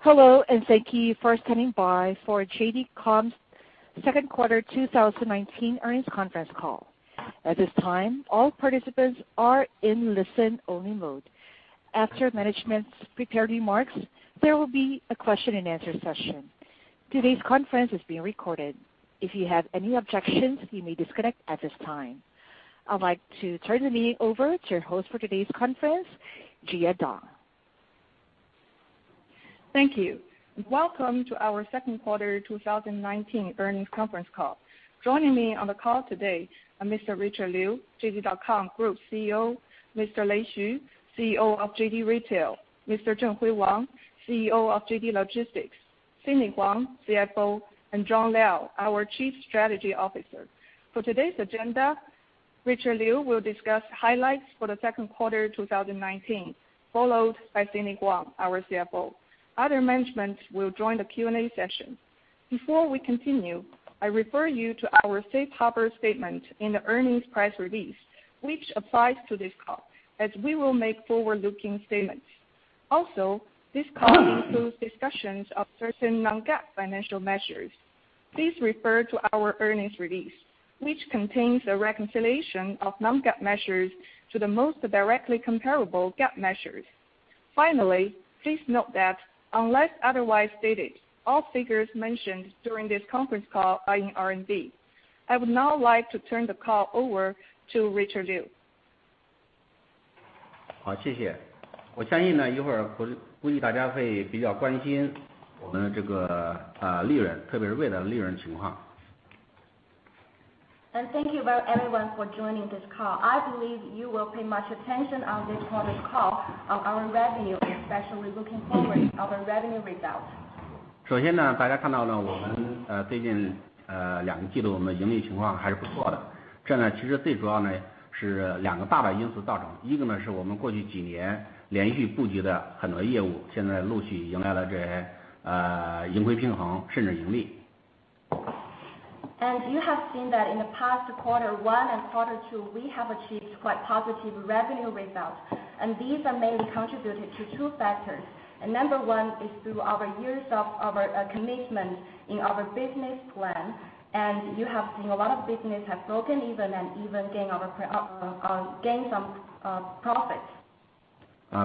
Hello, and thank you for standing by for JD.com's Second Quarter 2019 Earnings Conference Call. At this time, all participants are in listen-only mode. After management's prepared remarks, there will be a question and answer session. Today's conference is being recorded. If you have any objections, you may disconnect at this time. I'd like to turn the meeting over to your host for today's conference, Jia Dong. Thank you. Welcome to our Second Quarter 2019 Earnings Conference Call. Joining me on the call today are Mr. Richard Liu, JD.com Group CEO, Mr. Lei Xu, CEO of JD Retail, Mr. Zhenhui Wang, CEO of JD Logistics, Sidney Huang, CFO, and Jon Liao, our Chief Strategy Officer. For today's agenda, Richard Liu will discuss highlights for the second quarter 2019, followed by Sidney Huang, our CFO. Other management will join the Q&A session. Before we continue, I refer you to our safe harbor statement in the earnings press release, which applies to this call as we will make forward-looking statements. Also, this call includes discussions of certain non-GAAP financial measures. Please refer to our earnings release, which contains a reconciliation of non-GAAP measures to the most directly comparable GAAP measures. Finally, please note that unless otherwise stated, all figures mentioned during this conference call are in RMB. I would now like to turn the call over to Richard Liu. 好，谢谢。我相信一会儿估计大家会比较关心我们的利润，特别是未来的利润情况。Thank you everyone for joining this call. I believe you will pay much attention on this quarter's call on our revenue, especially looking forward our revenue results. 首先大家看到我们最近两个季度，我们的盈利情况还是不错的。这其实最主要是两个大的因素造成。一个是我们过去几年连续布局的很多业务，现在陆续迎来了这些盈亏平衡，甚至盈利。As you have seen that in the past quarter one and quarter two, we have achieved quite positive revenue results. These are mainly contributed to two factors. Number one is through our years of our commitment in our business plan. You have seen a lot of business have broken even and even gain some profit.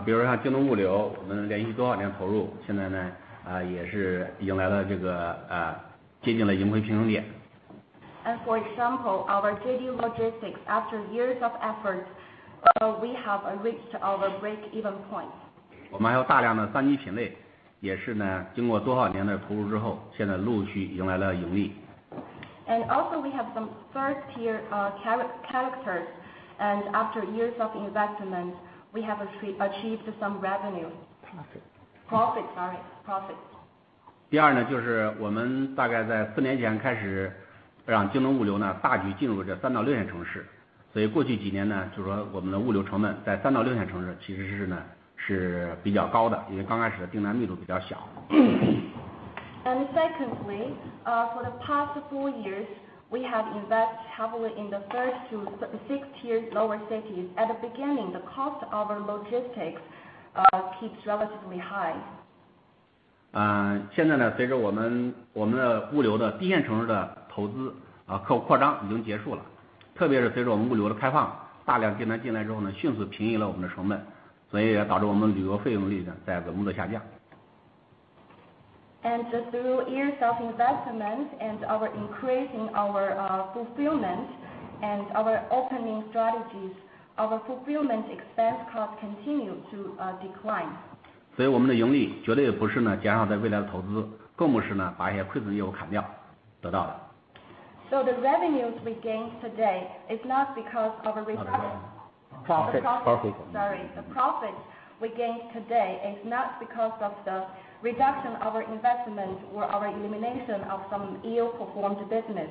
比如像京东物流，我们连续多少年投入，现在也是迎来了这个接近了盈亏平衡点。For example, our JD Logistics, after years of efforts, we have reached our break-even point. 我们还有大量的三级品类，也是经过多少年的投入之后，现在陆续迎来了盈利。Also we have some third tier characters, and after years of investment, we have achieved some revenue. Profit。Profit. Sorry, profit. 第二就是我们大概在四年前开始让京东物流大举进入这三到六线城市。所以过去几年我们的物流成本在三到六线城市其实是比较高的，因为刚开始订单密度比较小。Secondly, for the past four years, we have invested heavily in the third to sixth tier lower cities. At the beginning, the cost of our logistics keeps relatively high. 现在随着我们物流的一线城市的投资扩张已经结束了，特别是随着我们物流的开放，大量订单进来之后，迅速平移了我们的成本，所以也导致我们履约费用一直在稳稳地下降。Through years of investment and our increasing our fulfillment and our opening strategies, our fulfillment expense cost continue to decline. 所以我们的盈利绝对不是减少了未来的投资，更不是把一些亏损业务砍掉得到的。The revenues we gained today is not because of a reduction. Profit。Sorry, the profit we gained today is not because of the reduction of our investment or our elimination of some ill-performed business.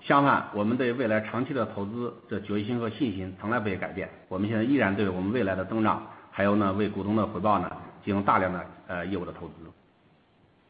相反，我们对未来长期的投资的决心和信心从来没有改变。我们现在依然对我们未来的增长，还有为股东的回报进行大量的业务的投资。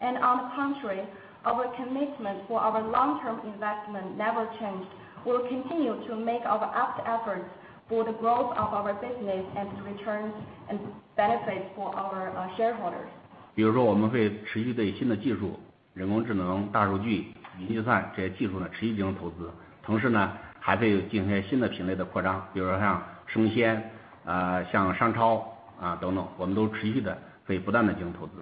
On the contrary, our commitment for our long-term investment never changed. We'll continue to make our apt efforts for the growth of our business and returns and benefits for our shareholders. 比如说我们会持续对新的技术，人工智能、大数据、云计算这些技术持续进行投资。同时还会进行一些新的品类的扩张，比如像生鲜，像商超等等，我们都持续地在不断地进行投资。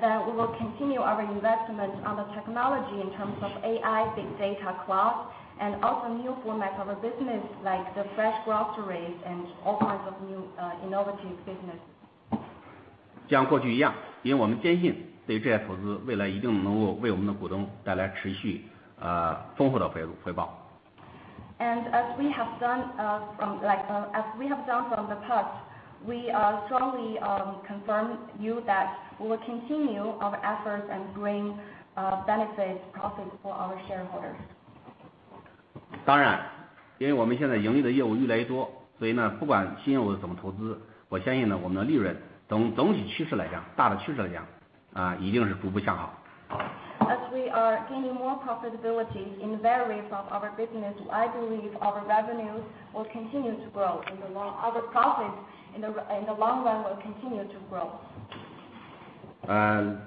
we will continue our investment on the technology in terms of AI, big data, cloud, and also new format of our business like the fresh groceries and all kinds of new innovative businesses. 像过去一样，因为我们坚信对于这些投资，未来一定能够为我们的股东带来持续丰富的回报。As we have done from the past, we strongly confirm you that we will continue our efforts and bring benefits, profit for our shareholders. 当然，因为我们现在盈利的业务越来越多，所以不管新业务怎么投资，我相信我们的利润总体趋势来讲，大的趋势来讲 As we are gaining more profitability in various of our business, I believe our revenues will continue to grow in the long. Our profits in the long run will continue to grow. Since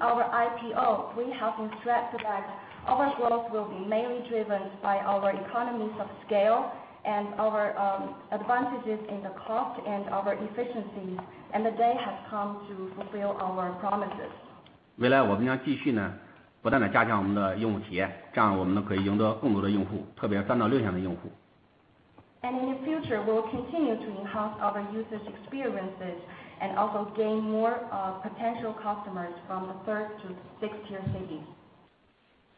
our IPO, we have stressed that our growth will be mainly driven by our economies of scale, and our advantages in the cost, and our efficiencies, and the day has come to fulfill our promises. In the future, we'll continue to enhance our users' experiences and also gain more potential customers from the third to sixth tier cities.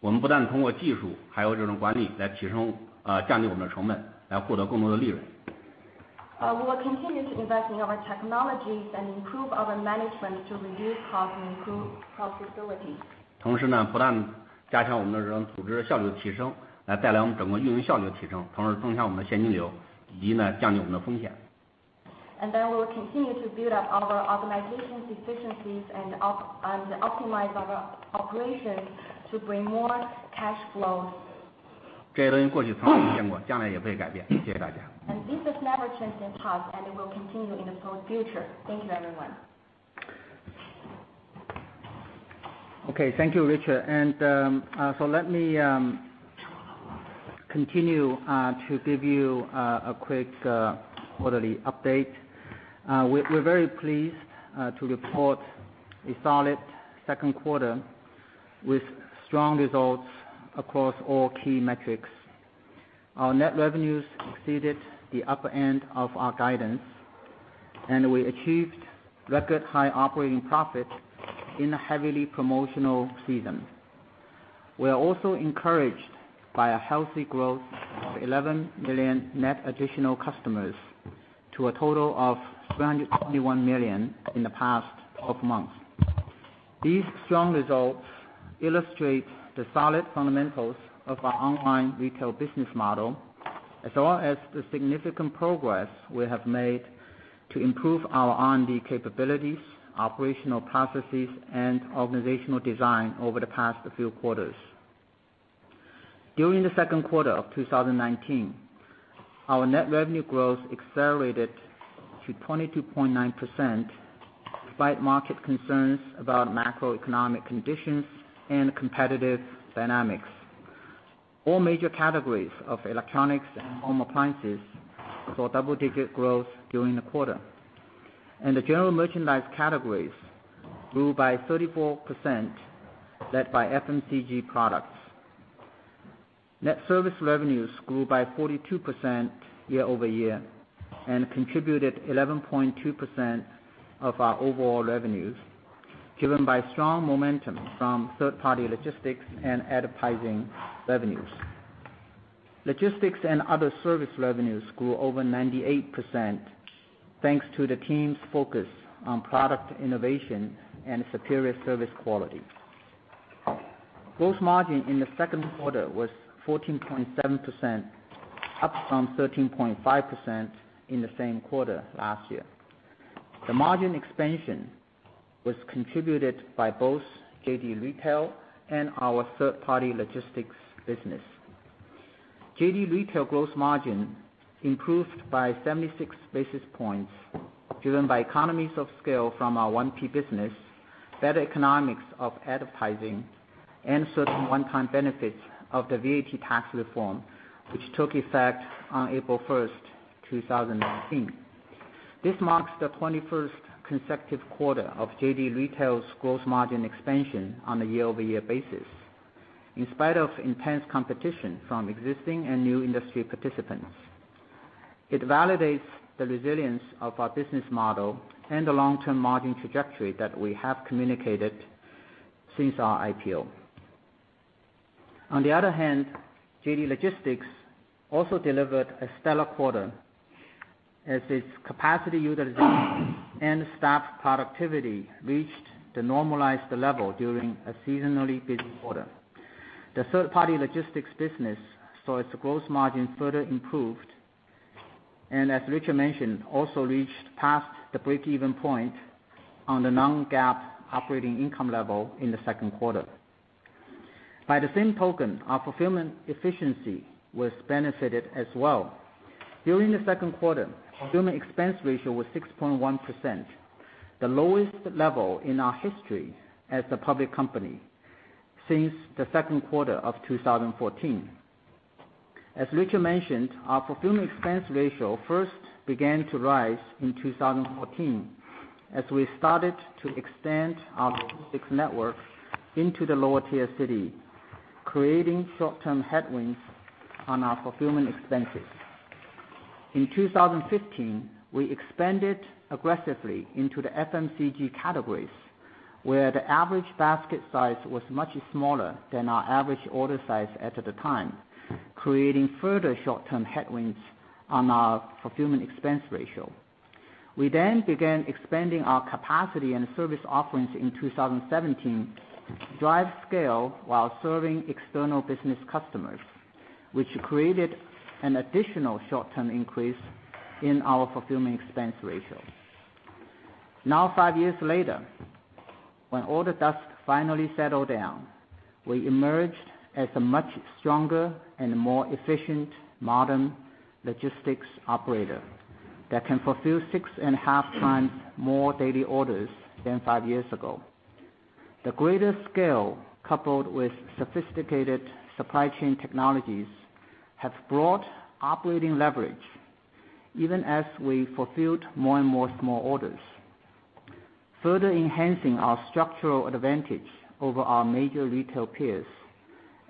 We'll continue to invest in our technologies and improve our management to reduce costs and improve profitability. We'll continue to build up our organization's efficiencies and optimize our operations to bring more cash flows. This has never changed in the past, and it will continue in the foreseeable future. Thank you, everyone. Okay, thank you, Richard. let me continue to give you a quick quarterly update. We're very pleased to report a solid second quarter with strong results across all key metrics. Our net revenues exceeded the upper end of our guidance, and we achieved record high operating profit in a heavily promotional season. We are also encouraged by a healthy growth of 11 million net additional customers to a total of 321 million in the past 12 months. These strong results illustrate the solid fundamentals of our online retail business model, as well as the significant progress we have made to improve our R&D capabilities, operational processes, and organizational design over the past few quarters. During the second quarter of 2019, our net revenue growth accelerated to 22.9%, despite market concerns about macroeconomic conditions and competitive dynamics. All major categories of electronics and home appliances saw double-digit growth during the quarter, and the general merchandise categories grew by 34%, led by FMCG products. Net service revenues grew by 42% year-over-year and contributed 11.2% of our overall revenues, driven by strong momentum from third-party logistics and advertising revenues. Logistics and other service revenues grew over 98%, thanks to the team's focus on product innovation and superior service quality. Gross margin in the second quarter was 14.7%, up from 13.5% in the same quarter last year. The margin expansion was contributed by both JD Retail and our third-party logistics business. JD Retail gross margin improved by 76 basis points, driven by economies of scale from our 1P business, better economics of advertising, and certain one-time benefits of the VAT tax reform which took effect on April 1st, 2019. This marks the 21st consecutive quarter of JD Retail's gross margin expansion on a year-over-year basis, in spite of intense competition from existing and new industry participants. It validates the resilience of our business model and the long-term margin trajectory that we have communicated since our IPO. JD Logistics also delivered a stellar quarter as its capacity utilization and staff productivity reached the normalized level during a seasonally busy quarter. The third-party logistics business saw its gross margin further improved, and as Richard mentioned, also reached past the break-even point on the non-GAAP operating income level in the second quarter. Our fulfillment efficiency was benefited as well. During the second quarter, fulfillment expense ratio was 6.1%, the lowest level in our history as the public company since the second quarter of 2014. As Richard mentioned, our fulfillment expense ratio first began to rise in 2014 as we started to extend our logistics network into the lower tier city, creating short-term headwinds on our fulfillment expenses. In 2015, we expanded aggressively into the FMCG categories, where the average basket size was much smaller than our average order size at the time, creating further short-term headwinds on our fulfillment expense ratio. We then began expanding our capacity and service offerings in 2017 to drive scale while serving external business customers, which created an additional short-term increase in our fulfillment expense ratio. Now, five years later, when all the dust finally settled down, we emerged as a much stronger and more efficient modern logistics operator that can fulfill 6.5x more daily orders than five years ago. The greater scale, coupled with sophisticated supply chain technologies, has brought operating leverage even as we fulfilled more and more small orders, further enhancing our structural advantage over our major retail peers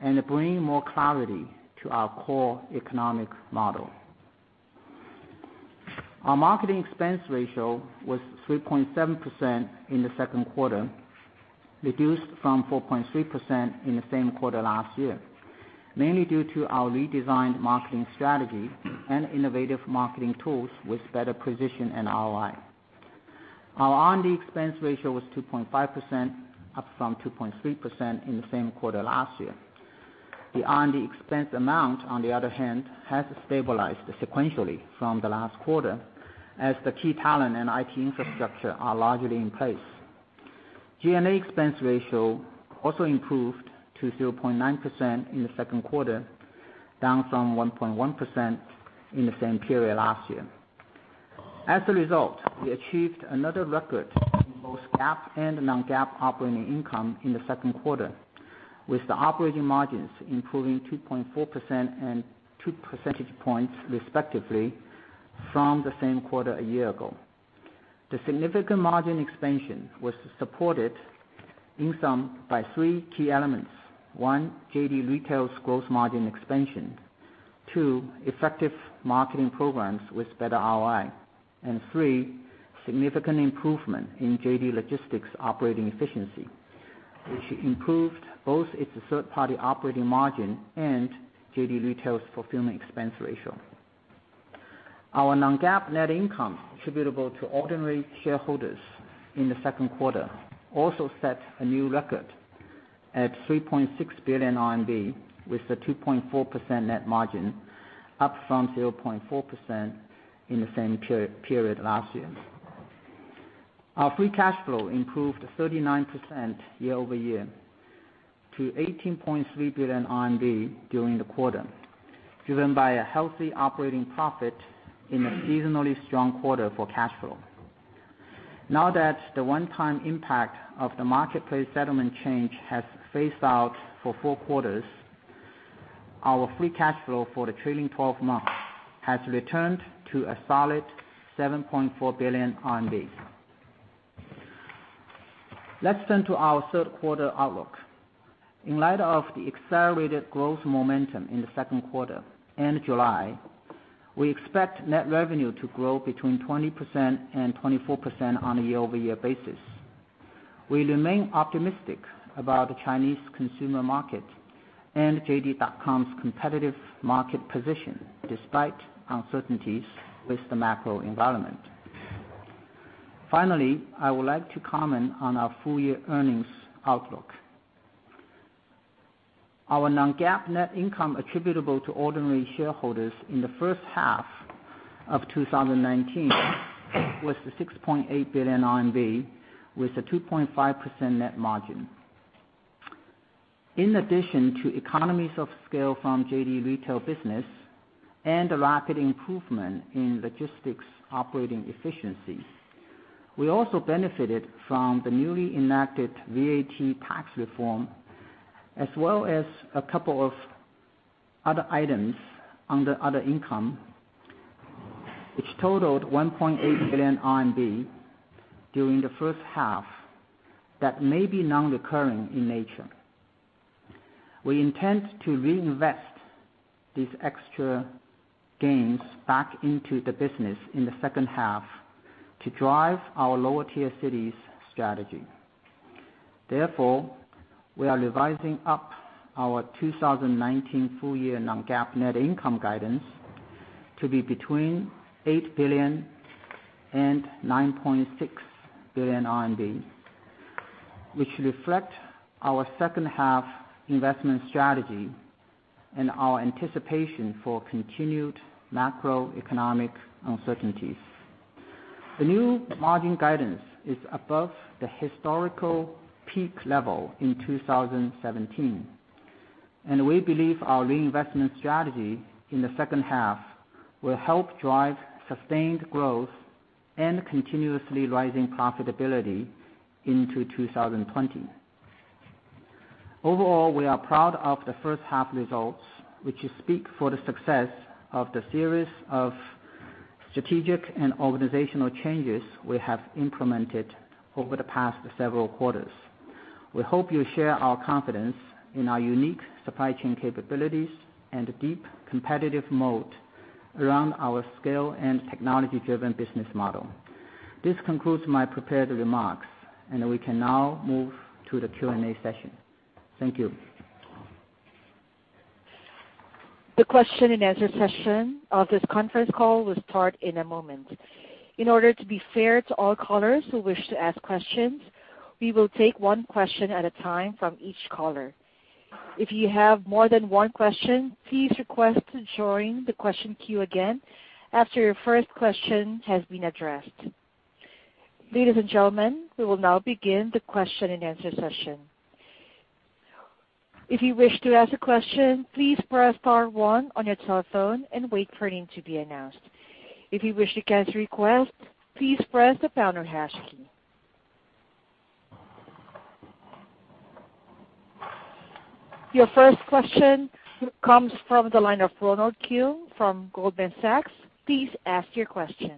and bringing more clarity to our core economic model. Our marketing expense ratio was 3.7% in the second quarter, reduced from 4.3% in the same quarter last year, mainly due to our redesigned marketing strategy and innovative marketing tools with better position and ROI. Our R&D expense ratio was 2.5%, up from 2.3% in the same quarter last year. The R&D expense amount, on the other hand, has stabilized sequentially from the last quarter as the key talent and IT infrastructure are largely in place. G&A expense ratio also improved to 0.9% in the second quarter, down from 1.1% in the same period last year. As a result, we achieved another record in both GAAP and non-GAAP operating income in the second quarter, with the operating margins improving 2.4% and two percentage points respectively from the same quarter a year ago. The significant margin expansion was supported in sum by three key elements. One, JD Retail's gross margin expansion. Two, effective marketing programs with better ROI. three, significant improvement in JD Logistics operating efficiency, which improved both its third-party operating margin and JD Retail's fulfillment expense ratio. Our non-GAAP net income attributable to ordinary shareholders in the second quarter also set a new record at 3.6 billion RMB, with a 2.4% net margin, up from 0.4% in the same period last year. Our free cash flow improved 39% year-over-year to 18.3 billion RMB during the quarter, driven by a healthy operating profit in a seasonally strong quarter for cash flow. Now that the one-time impact of the marketplace settlement change has phased out for four quarters, our free cash flow for the trailing 12 months has returned to a solid 7.4 billion RMB. Let's turn to our third quarter outlook. In light of the accelerated growth momentum in the second quarter and July, we expect net revenue to grow between 20% and 24% on a year-over-year basis. We remain optimistic about the Chinese consumer market and JD.com's competitive market position, despite uncertainties with the macro environment. Finally, I would like to comment on our full-year earnings outlook. Our non-GAAP net income attributable to ordinary shareholders in the first half of 2019 was the 6.8 billion RMB, with a 2.5% net margin. In addition to economies of scale from JD Retail business and a rapid improvement in logistics operating efficiency, we also benefited from the newly enacted VAT tax reform, as well as a couple of other items under other income, which totaled 1.8 billion RMB during the first half, that may be non-recurring in nature. We intend to reinvest these extra gains back into the business in the second half to drive our lower tier cities strategy. Therefore, we are revising up our 2019 full year non-GAAP net income guidance to be between 8 billion and 9.6 billion RMB, which reflect our second half investment strategy and our anticipation for continued macroeconomic uncertainties. The new margin guidance is above the historical peak level in 2017, and we believe our reinvestment strategy in the second half will help drive sustained growth and continuously rising profitability into 2020. Overall, we are proud of the first half results, which speak for the success of the series of strategic and organizational changes we have implemented over the past several quarters. We hope you share our confidence in our unique supply chain capabilities and deep competitive moat around our scale and technology-driven business model. This concludes my prepared remarks, and we can now move to the Q&A session. Thank you. The question and answer session of this conference call will start in a moment. In order to be fair to all callers who wish to ask questions, we will take one question at a time from each caller. If you have more than one question, please request to join the question queue again after your first question has been addressed. Ladies and gentlemen, we will now begin the question and answer session. If you wish to ask a question, please press star one on your telephone and wait for your name to be announced. If you wish to cancel your request, please press the pound or hash key. Your first question comes from the line of Ronald Keung from Goldman Sachs. Please ask your question.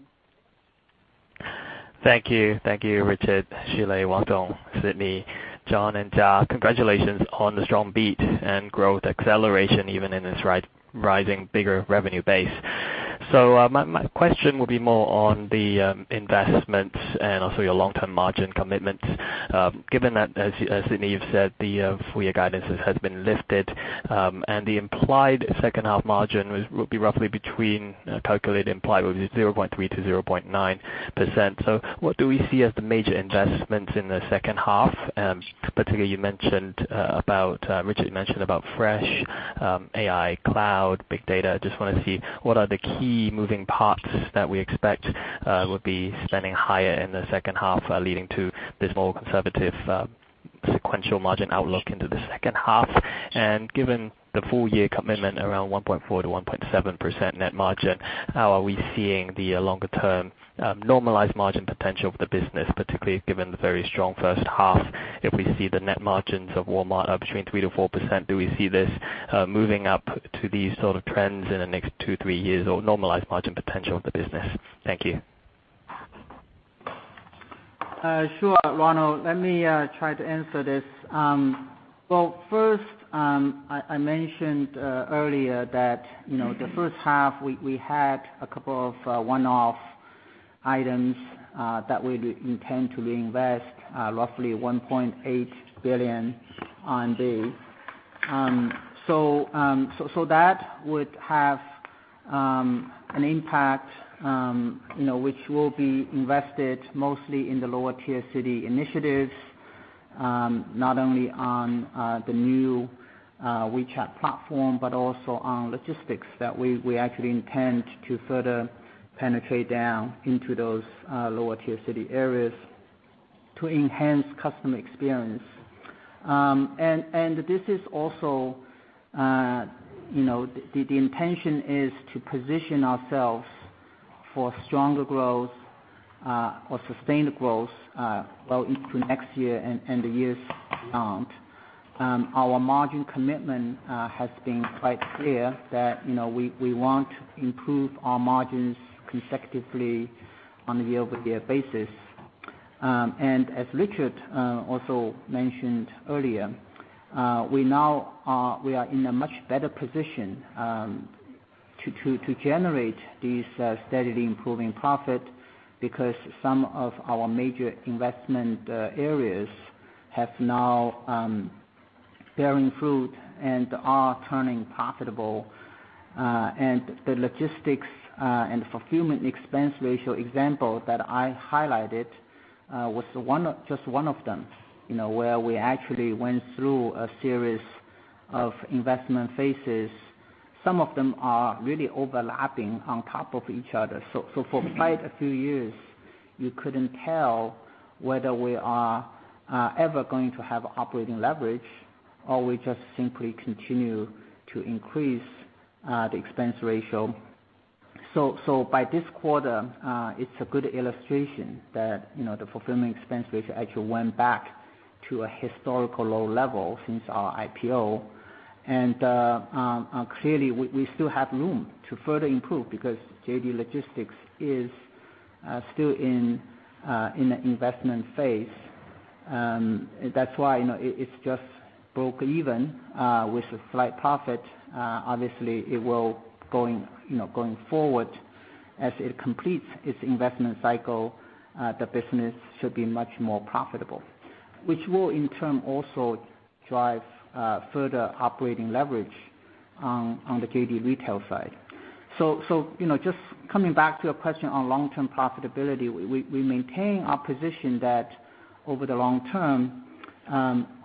Thank you. Thank you, Richard, Xu Lei, Wang Dong, Sidney, John, and Jia. Congratulations on the strong beat and growth acceleration, even in this rising bigger revenue base. My question will be more on the investments and also your long-term margin commitments. Given that, as Sidney, you've said, the full year guidances has been lifted, and the implied second half margin will be roughly between, calculated implied, will be 0.3%-0.9%. What do we see as the major investments in the second half? Particularly, Richard mentioned about fresh AI, cloud, big data. Just want to see what are the key moving parts that we expect would be spending higher in the second half, leading to this more conservative sequential margin outlook into the second half. Given the full year commitment around 1.4%-1.7% net margin, how are we seeing the longer-term normalized margin potential of the business, particularly given the very strong first half? If we see the net margins of Walmart are between 3%-4%, do we see this moving up to these sort of trends in the next two, three years or normalized margin potential of the business? Thank you. Sure, Ronald. Let me try to answer this. Well, first, I mentioned earlier that the first half, we had a couple of one-off items that we intend to invest roughly 1.8 billion on these. That would have an impact, which will be invested mostly in the lower tier city initiatives. Not only on the new WeChat platform, but also on logistics that we actually intend to further penetrate down into those lower tier city areas to enhance customer experience. The intention is to position ourselves for stronger growth or sustained growth, well into next year and the years beyond. Our margin commitment has been quite clear that we want to improve our margins consecutively on a year-over-year basis. as Richard also mentioned earlier, we are in a much better position to generate these steadily improving profit, because some of our major investment areas have now bearing fruit and are turning profitable. the logistics and fulfillment expense ratio example that I highlighted was just one of them, where we actually went through a series of investment phases. Some of them are really overlapping on top of each other. for quite a few years, you couldn't tell whether we are ever going to have operating leverage, or we just simply continue to increase the expense ratio. by this quarter, it's a good illustration that the fulfillment expense ratio actually went back to a historical low level since our IPO. clearly, we still have room to further improve because JD Logistics is still in an investment phase. That's why it's just broke even with a slight profit. Obviously, going forward, as it completes its investment cycle, the business should be much more profitable. Which will, in turn, also drive further operating leverage on the JD Retail side. just coming back to your question on long-term profitability, we maintain our position that over the long term,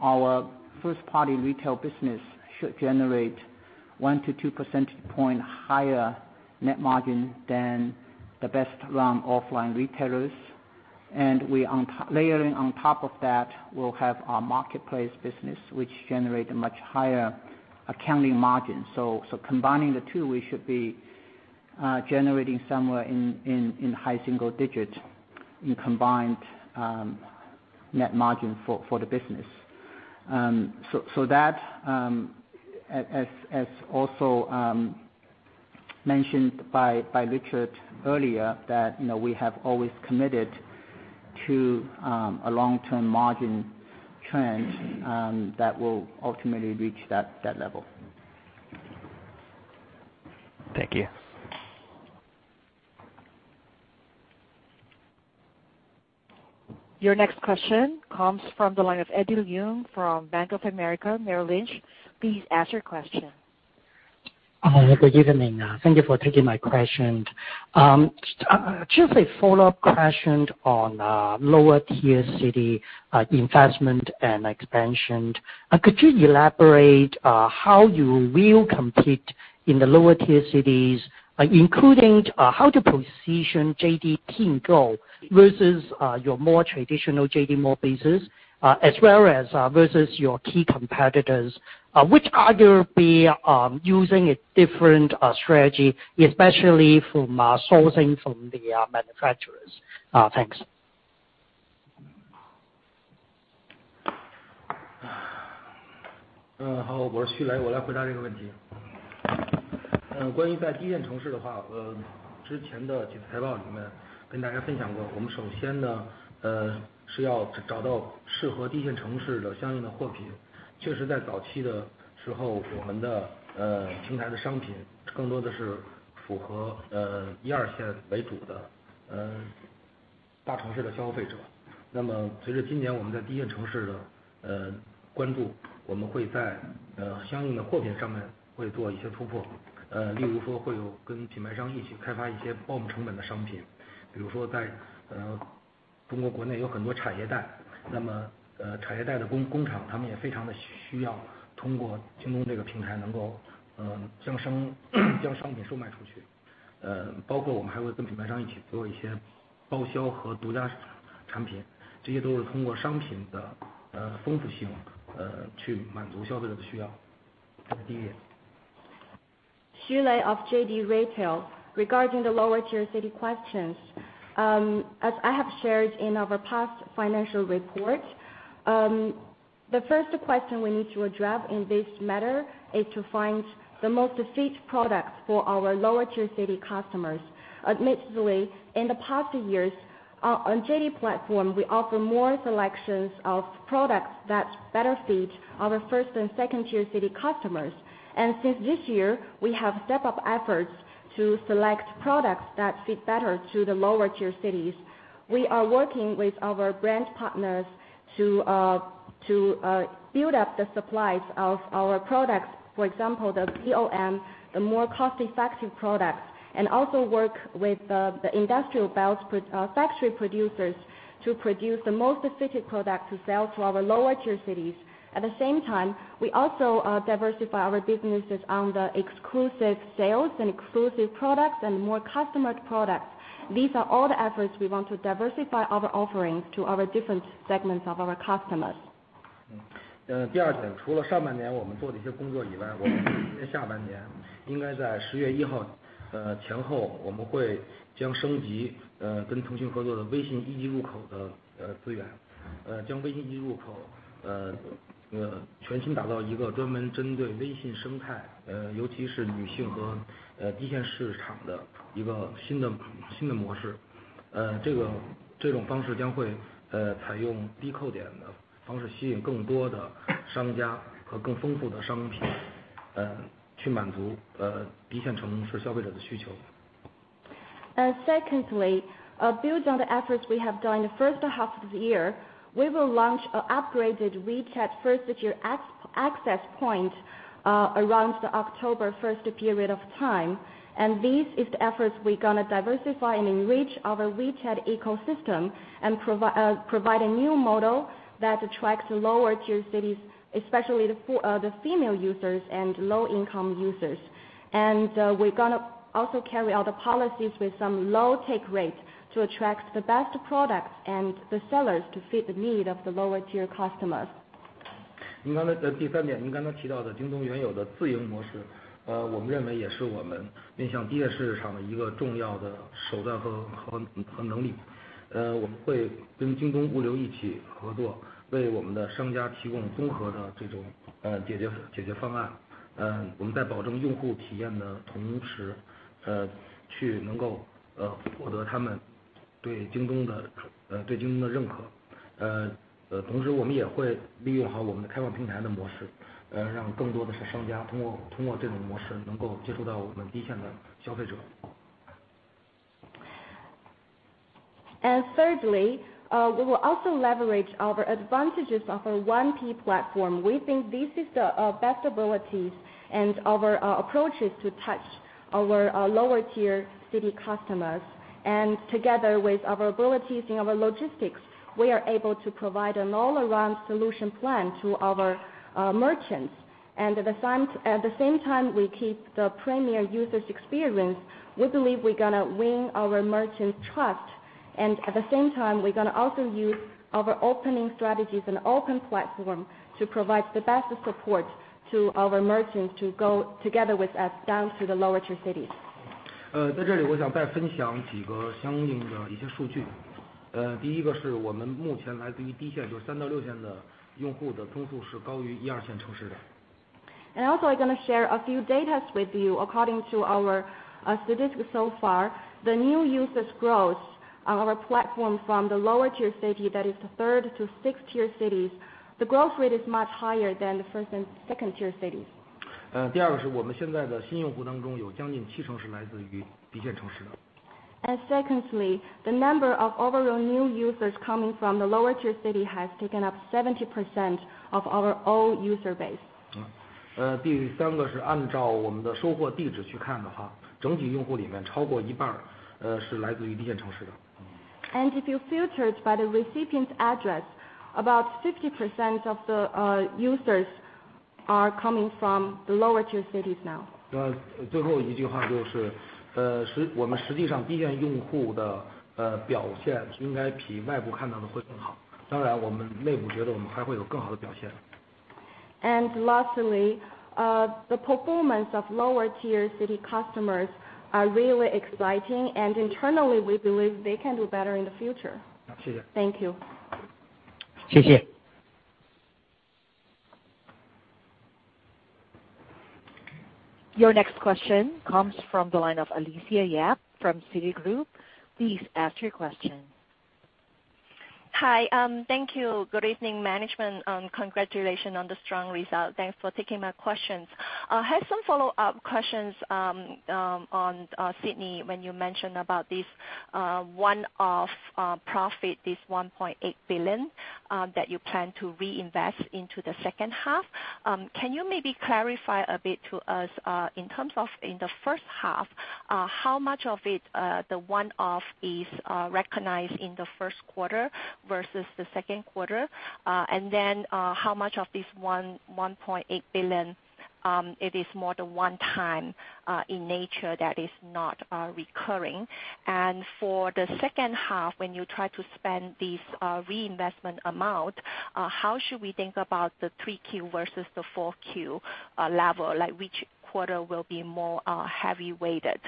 our first-party retail business should generate 1%-2% point higher net margin than the best run offline retailers. layering on top of that, we'll have our marketplace business, which generate a much higher accounting margin. combining the two, we should be generating somewhere in high single digits in combined net margin for the business. that, as also mentioned by Richard earlier, that we have always committed to a long-term margin trend that will ultimately reach that level. Thank you. Your next question comes from the line of Eddie Leung from Bank of America Merrill Lynch. Please ask your question. Good evening. Thank you for taking my question. Just a follow-up question on lower tier city investment and expansion. Could you elaborate on how you will compete in the lower tier cities, including how to position JD Pingou versus your more traditional JD mortgages, as well as versus your key competitors? Which are you using a different strategy, especially from sourcing from the manufacturers? Thanks. Xu Lei of JD Retail. Regarding the lower tier city questions. As I have shared in our past financial report, the first question we need to address in this matter is to find the most fit products for our lower tier city customers. Admittedly, in the past years on JD platform, we offer more selections of products that better fit our first and second tier city customers. Since this year, we have step up efforts to select products that fit better to the lower tier cities. We are working with our brand partners to build up the supplies of our products. For example, the POM, the more cost-effective products, and also work with the industrial factory producers to produce the most specific products to sell to our lower tier cities. At the same time, we also diversify our businesses on the exclusive sales and exclusive products and more customized products. These are all the efforts we want to diversify our offerings to our different segments of our customers. 第二点，除了上半年我们做的一些工作以外，我们今年下半年应该在10月1号前后，我们会将升级跟腾讯合作的微信一级入口的资源，将微信一级入口，全新打造一个专门针对微信生态，尤其是女性和低线市场的一个新的模式。这种方式将会采用低扣点的方式，吸引更多的商家和更丰富的商品，去满足低线城市消费者的需求。Secondly, build on the efforts we have done in the first half of the year, we will launch an upgraded WeChat first year access point around the October 1st period of time. This is the efforts we're going to diversify and enrich our WeChat ecosystem and provide a new model that attracts lower tier cities, especially the female users and low-income users. We're going to also carry out the policies with some low take rates to attract the best products and the sellers to fit the need of the lower tier customers. 第三点，您刚才提到的京东原有的自营模式，我们认为也是我们面向低线市场的一个重要的手段和能力。我们会跟京东物流一起合作，为我们的商家提供综合的这种解决方案。我们在保证用户体验的同时，去能够获得他们对京东的认可。同时我们也会利用好我们的开放平台的模式，让更多的商家通过这种模式能够接触到我们低线的消费者。Thirdly, we will also leverage our advantages of our 1P platform. We think this is our best abilities and our approaches to touch our lower tier city customers. Together with our abilities and our logistics, we are able to provide an all-around solution plan to our merchants. At the same time, we keep the premier users experience. We believe we're gonna win our merchants' trust. At the same time, we're gonna also use our opening strategies and open platform to provide the best support to our merchants to go together with us down to the lower tier cities. 在这里我想再分享几个相应的一些数据。第一个是我们目前来自于低线，就是三到六线的用户的增速是高于一二线城市的。Also, I'm gonna share a few data with you. According to our statistics so far, the new users growth on our platform from the lower tier city, that is the third to sixth tier cities, the growth rate is much higher than the first and second tier cities. 第二个是我们现在的新用户当中，有将近七成是来自于低线城市的。Secondly, the number of overall new users coming from the lower tier city has taken up 70% of our old user base. 第三个是按照我们的收货地址去看的话，整体用户里面超过一半是来自于低线城市的。If you filter it by the recipient's address, about 50% of the users are coming from the lower tier cities now. 最后一句话就是，我们实际上低线用户的表现应该比外部看到的会更好。当然我们内部觉得我们还会有更好的表现。Lastly, the performance of lower tier city customers are really exciting, and internally, we believe they can do better in the future. 谢谢。Thank you. 谢谢。Your next question comes from the line of Alicia Yap from Citigroup. Please ask your question. Hi. Thank you. Good evening, management. Congratulations on the strong result. Thanks for taking my questions. I have some follow-up questions on Sidney, when you mentioned about this one-off profit, this 1.8 billion that you plan to reinvest into the second half. Can you maybe clarify a bit to us in terms of in the first half, how much of it, the one-off, is recognized in the first quarter versus the second quarter? Then how much of this 1.8 billion it is more than one time in nature that is not recurring? For the second half, when you try to spend this reinvestment amount, how should we think about the 3Q versus the 4Q level? Like which quarter will be more heavily weighted?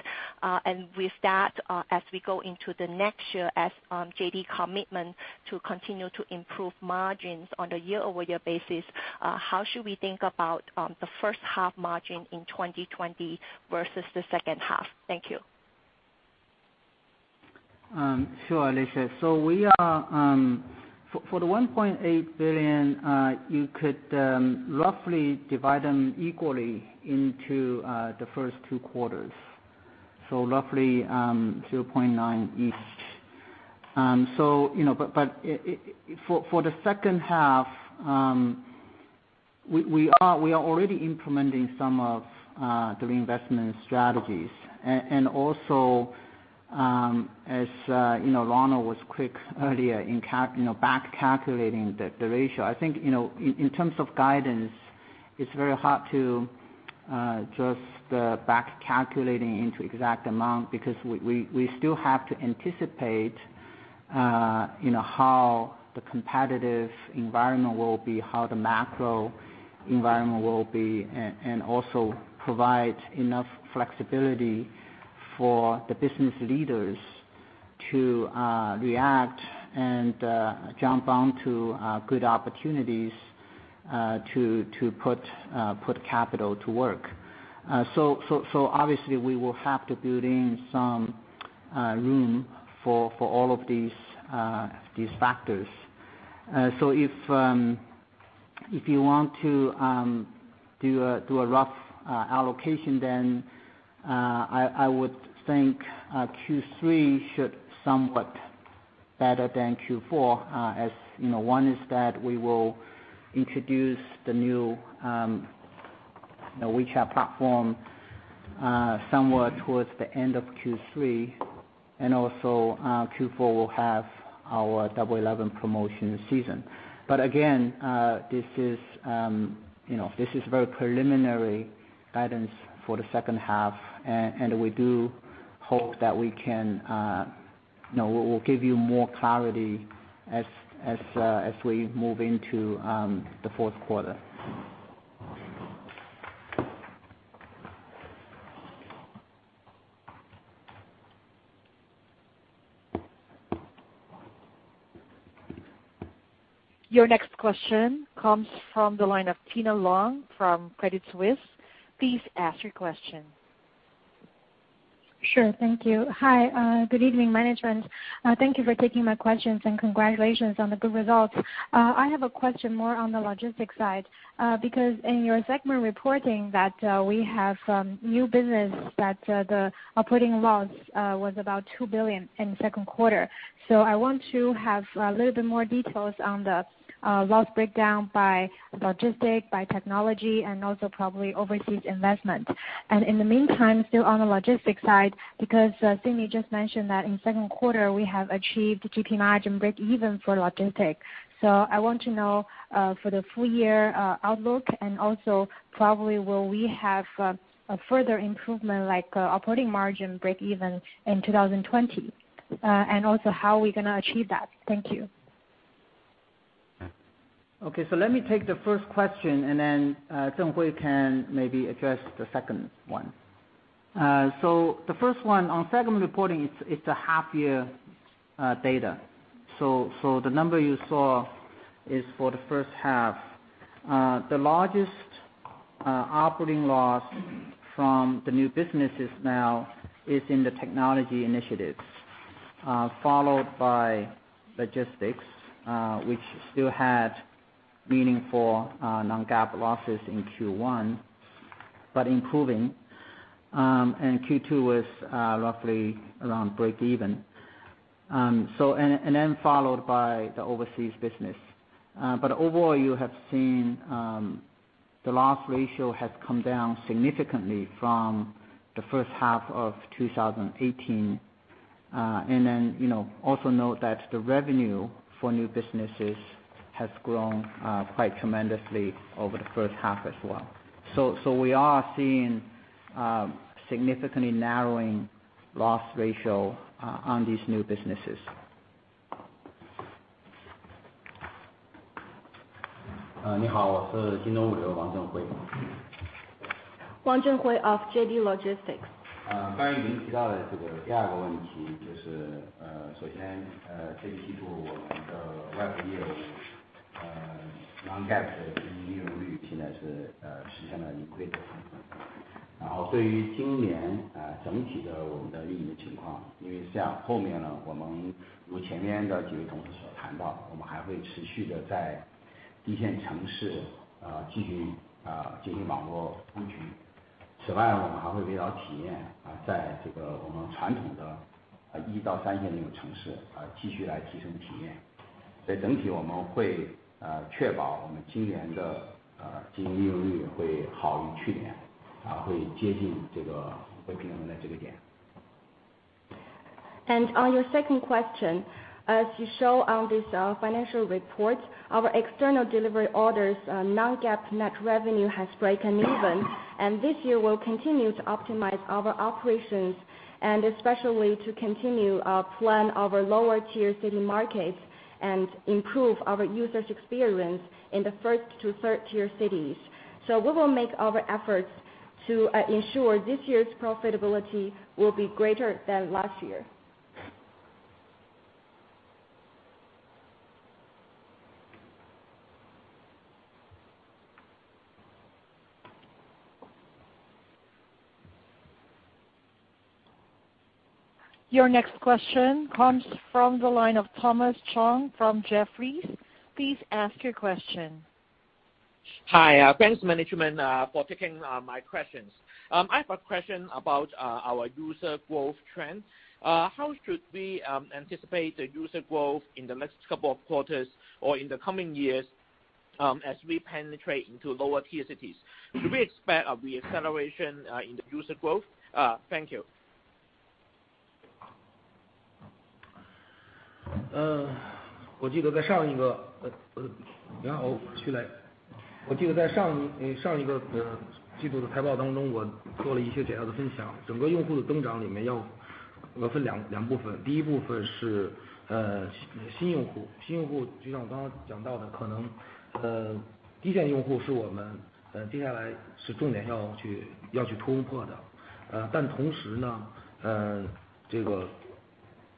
With that, as we go into the next year as JD commitment to continue to improve margins on a year-over-year basis, how should we think about the first half margin in 2020 versus the second half? Thank you. Sure, Alicia. For the 1.8 billion, you could roughly divide them equally into the first two quarters. Roughly 0.9 each. For the second half, we are already implementing some of the reinvestment strategies. Also, as Ronald was quick earlier in back calculating the ratio, I think in terms of guidance, it's very hard to just back calculating into exact amount because we still have to anticipate how the competitive environment will be, how the macro environment will be, and also provide enough flexibility for the business leaders to react and jump onto good opportunities to put capital to work. Obviously we will have to build in some room for all of these factors. If you want to do a rough allocation, then I would think Q3 should somewhat better than Q4. As one is that we will introduce the new WeChat platform somewhat towards the end of Q3, and also Q4 will have our Double 11 promotion season. again, this is very preliminary guidance for the second half, and we do hope that we will give you more clarity as we move into the fourth quarter. Your next question comes from the line of Tina Long from Credit Suisse. Please ask your question. Sure. Thank you. Hi. Good evening, management. Thank you for taking my questions, and congratulations on the good results. I have a question more on the logistics side. In your segment reporting that we have new business that the operating loss was about 2 billion in the second quarter. I want to have a little bit more details on the loss breakdown by logistics, by technology, and also probably overseas investment. In the meantime, still on the logistics side, because Sidney just mentioned that in second quarter, we have achieved GP margin breakeven for logistics. I want to know for the full year outlook and also probably will we have a further improvement like operating margin breakeven in 2020? Also how are we gonna achieve that? Thank you. Okay. Let me take the first question and then Zhenhui can maybe address the second one. The first one on segment reporting, it's a half-year data. The number you saw is for the first half. The largest operating loss from the new businesses now is in the technology initiatives. Followed by logistics, which still had meaningful non-GAAP losses in Q1, but improving. Q2 was roughly around breakeven, and then followed by the overseas business. Overall, you have seen the loss ratio has come down significantly from the first half of 2018. Then also note that the revenue for new businesses has grown quite tremendously over the first half as well. We are seeing significantly narrowing loss ratio on these new businesses. Wang of JD Logistics. On your second question, as you show on this financial report, our external delivery orders non-GAAP net revenue has broken even, and this year we'll continue to optimize our operations and especially to continue plan our lower tier city markets and improve our users experience in the first to third tier cities. We will make our efforts to ensure this year's profitability will be greater than last year. Your next question comes from the line of Thomas Chong from Jefferies. Please ask your question. Hi. Thanks management for taking my questions. I have a question about our user growth trend. How should we anticipate the user growth in the next couple of quarters or in the coming years as we penetrate into lower tier cities? Should we expect a re-acceleration in the user growth? Thank you. Xu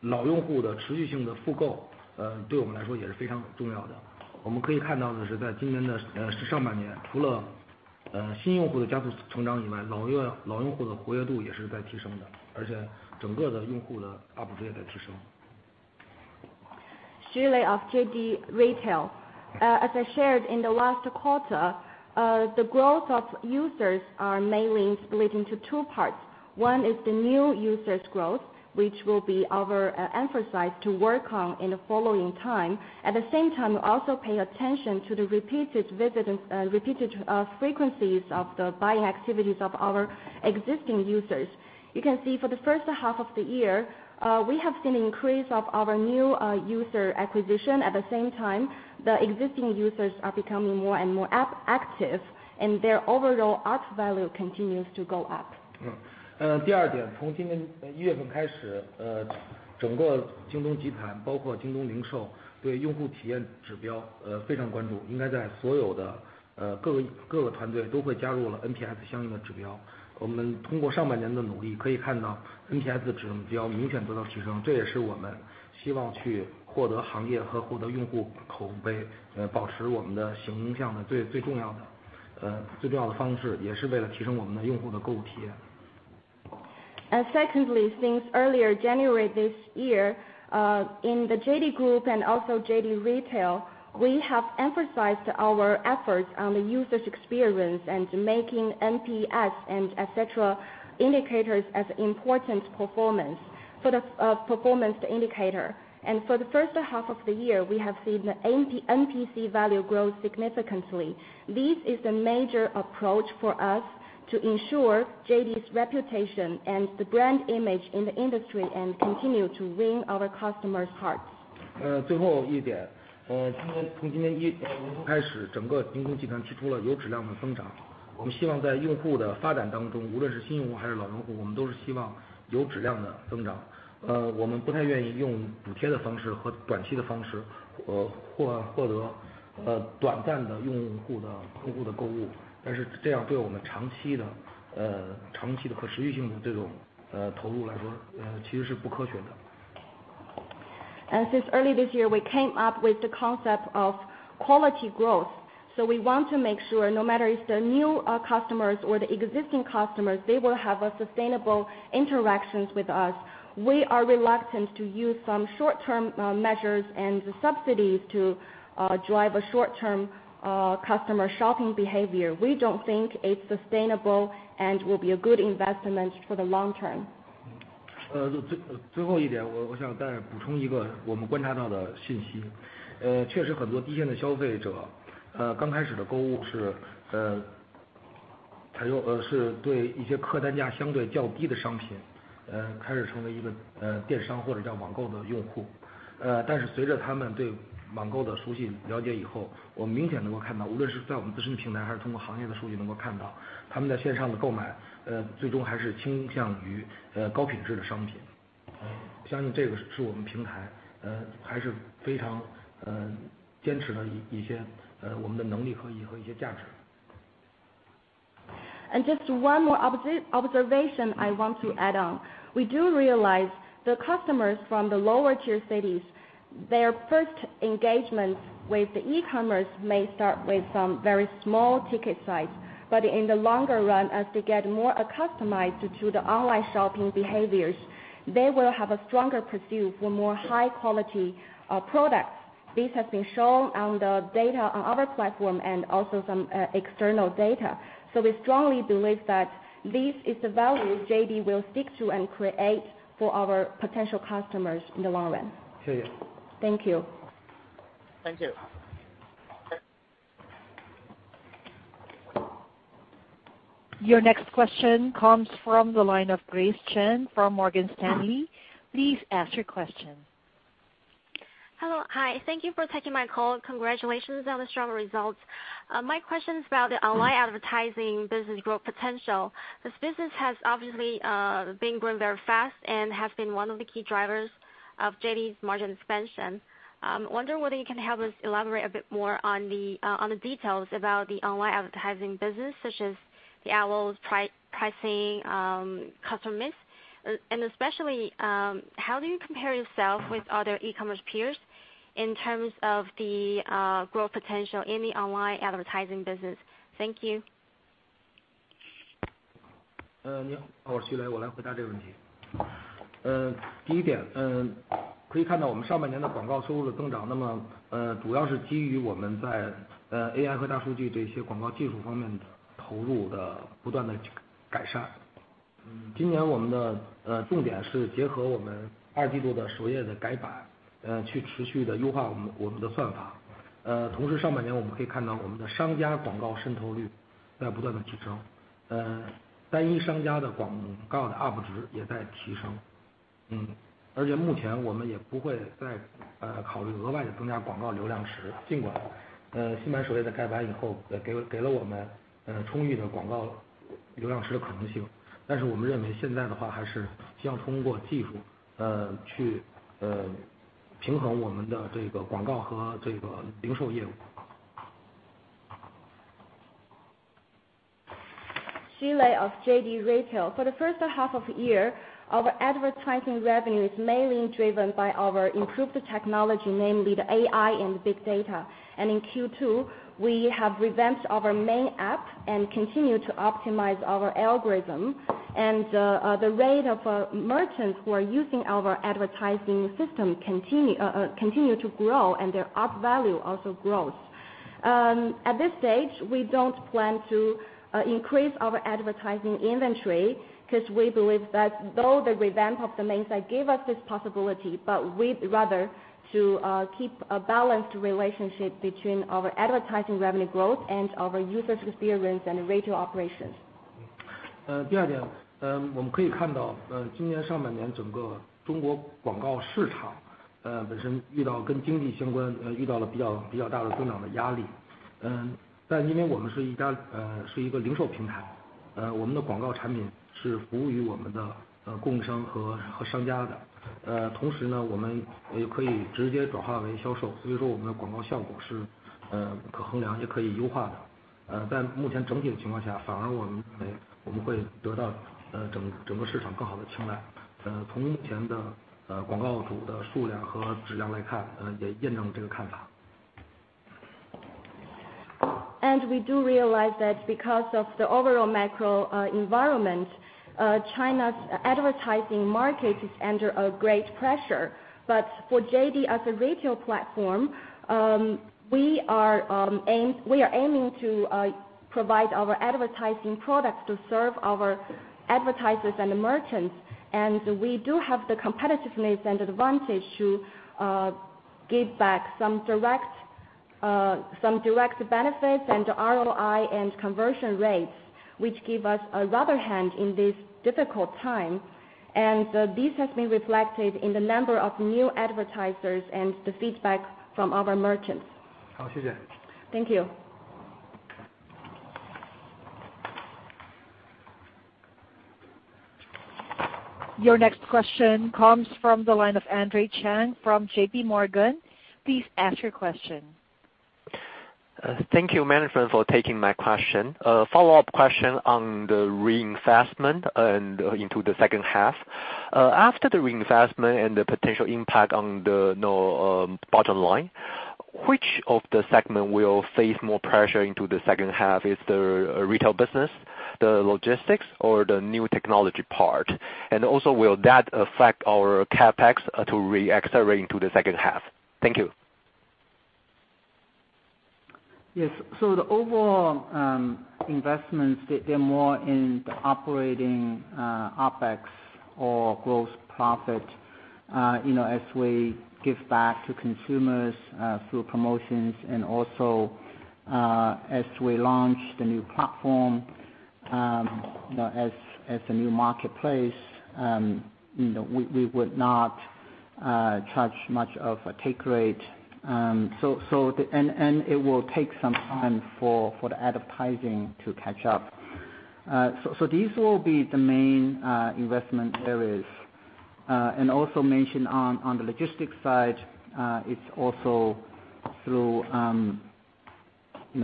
Lei of JD Retail. As I shared in the last quarter, the growth of users are mainly split into two parts. One is the new users growth, which will be our emphasis to work on in the following time. At the same time, we also pay attention to the repeated frequencies of the buying activities of our existing users. You can see for the first half of the year, we have seen an increase of our new user acquisition. At the same time, the existing users are becoming more and more active, and their overall ARPU value continues to go up. Secondly, since earlier January this year, in the JD group and also JD Retail, we have emphasized our efforts on the user's experience and making NPS and et cetera indicators as important performance indicator. For the first half of the year, we have seen the NPS value grow significantly. This is the major approach for us to ensure JD's reputation and the brand image in the industry and continue to win our customers' hearts. Since early this year, we came up with the concept of quality growth. We want to make sure that no matter if they're new customers or existing customers, they will have sustainable interactions with us. We are reluctant to use some short-term measures and subsidies to drive short-term customer shopping behavior. We don't think it's sustainable and will be a good investment for the long term. 最后一点，我想再补充一个我们观察到的信息。确实很多低线的消费者，刚开始的购物是对一些客单价相对较低的商品，开始成为一个电商或者叫网购的用户。但是随着他们对网购的熟悉和了解以后，我们明显能够看到，无论是在我们自身的平台，还是通过行业的数据，能够看到他们在线上的购买，最终还是倾向于高品质的商品。相信这个是我们平台还是坚持的一些我们的能力和一些价值。just one more observation I want to add on. We do realize the customers from the lower tier cities, their first engagement with e-commerce may start with some very small ticket size, but in the longer run, as they get more accustomed to the online shopping behaviors, they will have a stronger pursuit for higher quality products. This has been shown in the data on our platform and also some external data. we strongly believe that this is the value JD will stick to and create for our potential customers in the long run. 谢谢。Thank you. Thank you. Your next question comes from the line of Grace Chen from Morgan Stanley. Please ask your question. Hello. Hi. Thank you for taking my call. Congratulations on the strong results. My question is about the online advertising business growth potential. This business has obviously been growing very fast and has been one of the key drivers of JD's margin expansion. I wonder whether you can help us elaborate a bit more on the details about the online advertising business, such as the ROI's pricing customization. Especially, how do you compare yourself with other e-commerce peers in terms of the growth potential in the online advertising business? Thank you. Xu Lei of JD Retail. For the first half of the year, our advertising revenue is mainly driven by our improved technology, namely the AI and big data. In Q2, we have revamped our main app and continued to optimize our algorithm. The rate of merchants who are using our advertising system continued to grow, and their ARPU value also grows. At this stage, we don't plan to increase our advertising inventory because we believe that though the revamp of the main site gave us this possibility, but we'd rather keep a balanced relationship between our advertising revenue growth and our user experience and retail operations. 第二点，我们可以看到，今年上半年整个中国广告市场本身遇到跟经济相关比较大的增长的压力。但因为我们是一个零售平台，我们的广告产品是服务于我们的供应商和商家的。同时，我们也可以直接转化为销售。所以说我们的广告效果是可衡量，也可以优化的。在目前整体的情况下，反而我们认为我们会得到整个市场更好的青睐。从目前的广告主的数量和质量来看，也验证了这个看法。we do realize that because of the overall macro environment, China's advertising market is under great pressure. for JD as a retail platform, we are aiming to provide our advertising products to serve our advertisers and merchants. we do have the competitiveness and advantage to give back some direct benefits and ROI and conversion rates, which give us an upper hand in this difficult time. this has been reflected in the number of new advertisers and the feedback from our merchants. 好，谢谢。Thank you. Your next question comes from the line of Alex Yao from JPMorgan. Please ask your question. Thank you, management, for taking my question. A follow-up question on the reinvestment and into the second half. After the reinvestment and the potential impact on the bottom line, which of the segment will face more pressure into the second half? Is there a retail business, the logistics, or the new technology part? Also, will that affect our CapEx to reaccelerate into the second half? Thank you. Yes. The overall investments, they're more in the operating OpEx or gross profit as we give back to consumers through promotions and also as we launch the new platform as a new marketplace. We would not charge much of a take rate. It will take some time for the advertising to catch up. These will be the main investment areas. Also mentioned on the logistics side, it's also through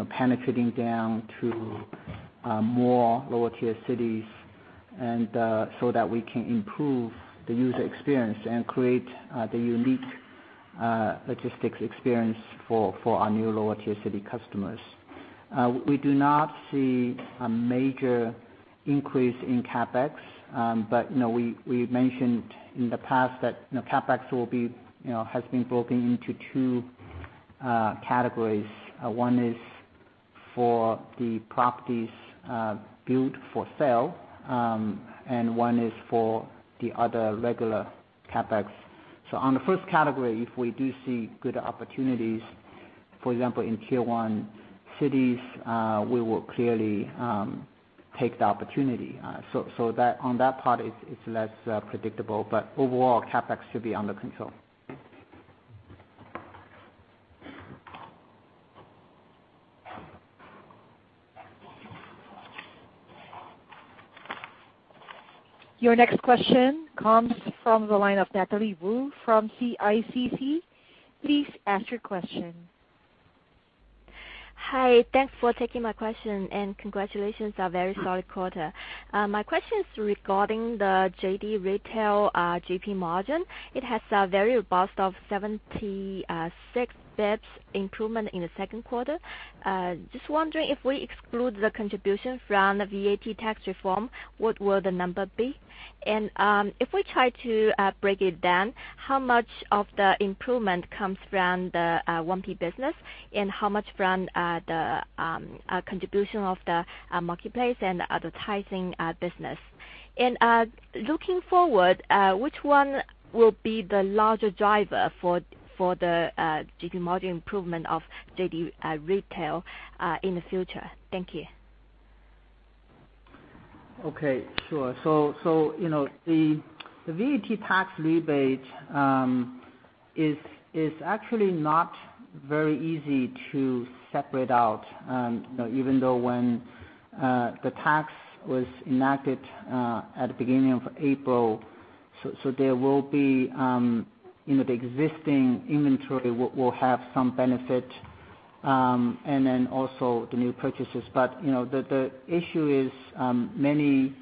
penetrating down to more lower-tier cities so that we can improve the user experience and create the unique logistics experience for our new lower-tier city customers. We do not see a major increase in CapEx, but we mentioned in the past that CapEx has been broken into two categories. One is for the properties built for sale, and one is for the other regular CapEx. On the first category, if we do see good opportunities, for example, in tier 1 cities, we will clearly take the opportunity. On that part, it's less predictable, but overall, CapEx should be under control. Your next question comes from the line of Natalie Wu from CICC. Please ask your question. Hi. Thanks for taking my question, and congratulations on a very solid quarter. My question is regarding the JD Retail GP margin. It has a very robust of 76 basis points improvement in the second quarter. Just wondering if we exclude the contribution from the VAT tax reform, what will the number be? If we try to break it down, how much of the improvement comes from the 1P business, and how much from the contribution of the marketplace and advertising business? Looking forward, which one will be the larger driver for the GP margin improvement of JD Retail in the future? Thank you. Okay, sure. the VAT tax rebate is actually not very easy to separate out, even though when the tax was enacted at the beginning of April, the existing inventory will have some benefit, and then also the new purchases. the issue is many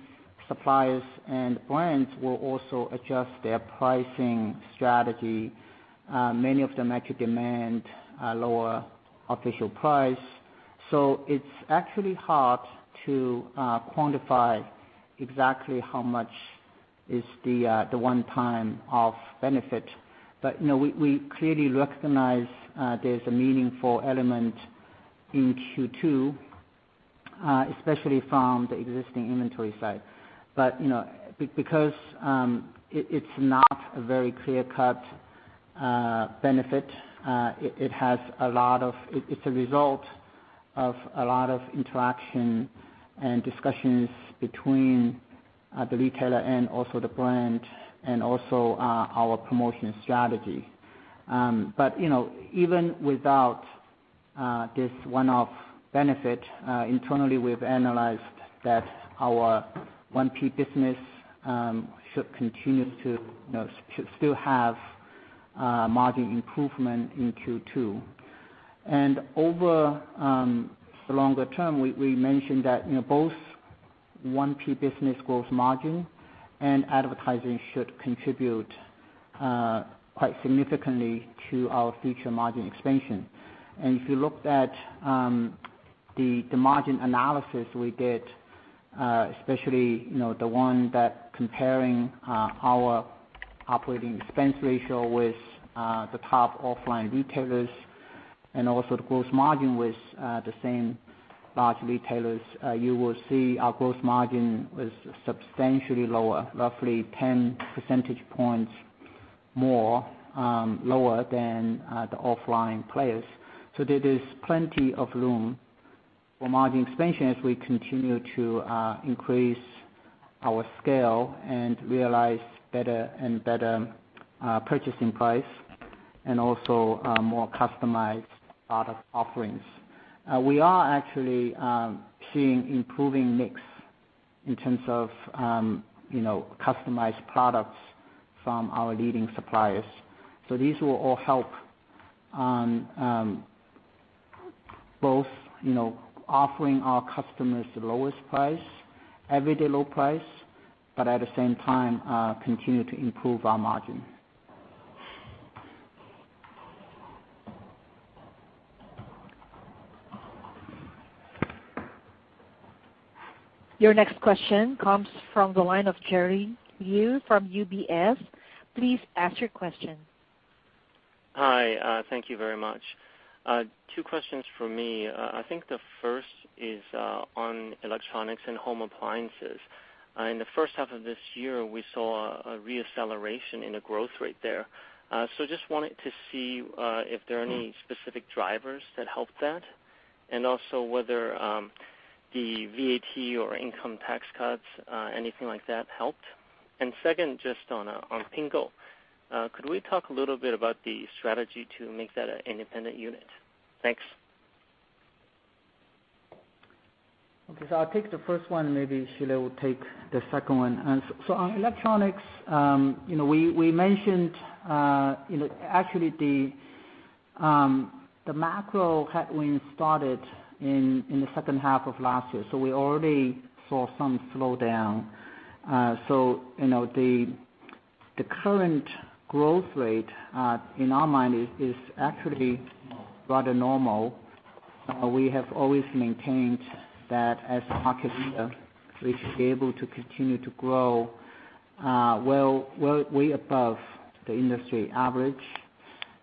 suppliers and brands will also adjust their pricing strategy. Many of them actually demand a lower official price. it's actually hard to quantify exactly how much is the one time of benefit. we clearly recognize there's a meaningful element in Q2, especially from the existing inventory side. because it's not a very clear-cut benefit, it's a result of a lot of interaction and discussions between the retailer and also the brand and also our promotion strategy. even without this one-off benefit, internally we've analyzed that our 1P business should still have margin improvement in Q2. Over the longer term, we mentioned that both 1P business growth margin and advertising should contribute quite significantly to our future margin expansion. If you looked at the margin analysis we did, especially the one that comparing our operating expense ratio with the top offline retailers and also the gross margin with the same large retailers, you will see our gross margin was substantially lower, roughly 10 percentage points more lower than the offline players. There is plenty of room for margin expansion as we continue to increase our scale and realize better and better purchasing price, and also more customized product offerings. We are actually seeing improving mix in terms of customized products from our leading suppliers. These will all help on both offering our customers the lowest price, everyday low price, but at the same time continue to improve our margin. Your next question comes from the line of Jerry Liu from UBS. Please ask your question. Hi, thank you very much. Two questions from me. I think the first is on electronics and home appliances. In the first half of this year, we saw a re-acceleration in the growth rate there. Just wanted to see if there are any specific drivers that help that, and also whether the VAT or income tax cuts, anything like that helped. Second, just on Pingou. Could we talk a little bit about the strategy to make that an independent unit? Thanks. Okay. I'll take the first one, and maybe Xu Lei will take the second one. On electronics, we mentioned actually the macro headwind started in the second half of last year, so we already saw some slowdown. The current growth rate in our mind is actually rather normal. We have always maintained that as a market leader, we should be able to continue to grow well way above the industry average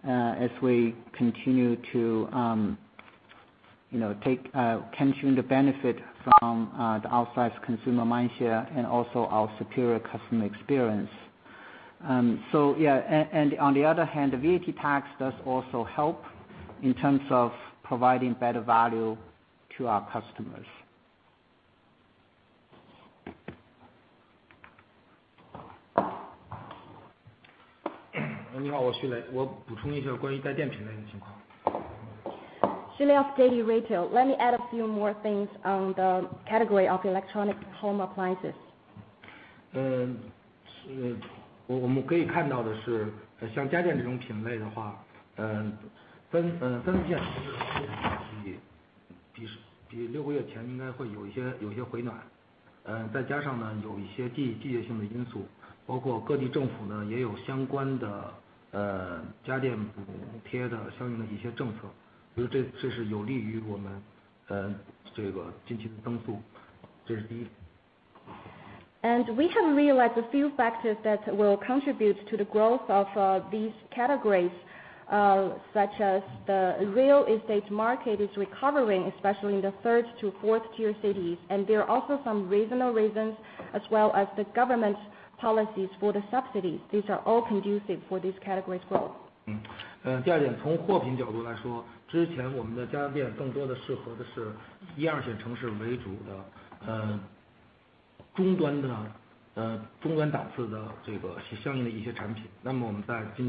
as we continue to take the benefit from the outsized consumer mindshare and also our superior customer experience. Yeah. On the other hand, the VAT tax does also help in terms of providing better value to our customers. Let me add a few more things on the category of electronic home appliances. We have realized a few factors that will contribute to the growth of these categories, such as the real estate market is recovering, especially in the third to fourth tier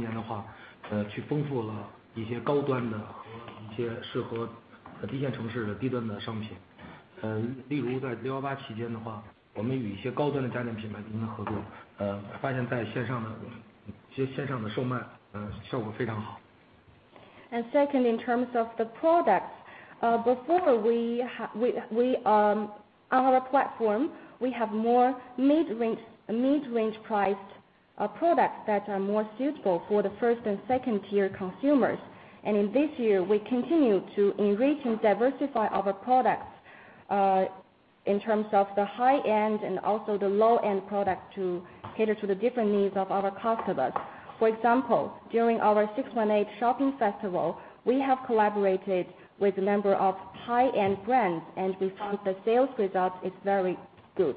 cities, and there are also some regional reasons as well as the government's policies for the subsidies. These are all conducive for this category's growth. Second, in terms of the products, before on our platform, we have more mid-range priced products that are more suitable for the tier 1 and tier 2 consumers. In this year, we continue to enrich and diversify our products, in terms of the high-end and also the low-end product to cater to the different needs of our customers. For example, during our 618 Shopping Festival, we have collaborated with a number of high-end brands, and we found the sales result is very good.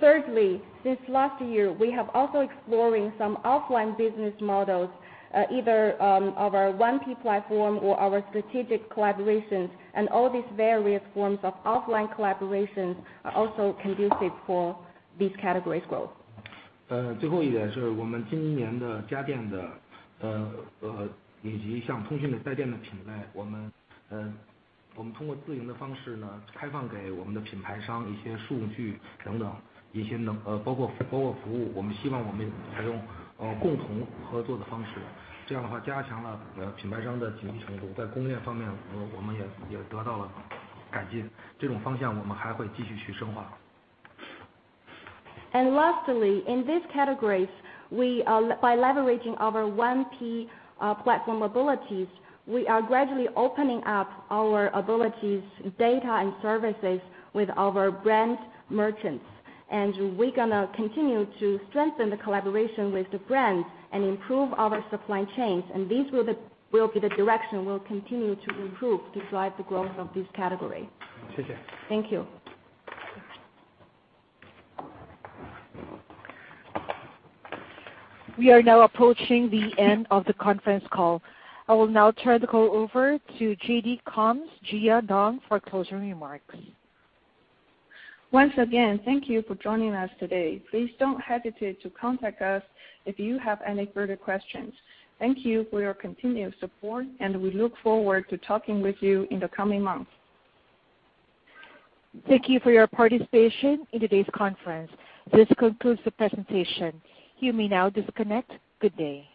Thirdly, since last year, we have also exploring some offline business models, either our 1P platform or our strategic collaborations, and all these various forms of offline collaborations are also conducive for this category's growth. Lastly, in this category, by leveraging our 1P platform abilities, we are gradually opening up our abilities, data, and services with our brand merchants. We're going to continue to strengthen the collaboration with the brands and improve our supply chains. These will be the direction we'll continue to improve to drive the growth of this category. Thank you. We are now approaching the end of the conference call. I will now turn the call over to JD.com's Jia Dong for closing remarks. Once again, thank you for joining us today. Please don't hesitate to contact us if you have any further questions. Thank you for your continued support, and we look forward to talking with you in the coming months. Thank you for your participation in today's conference. This concludes the presentation. You may now disconnect. Good day.